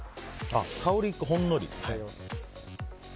香りがほんのりだね。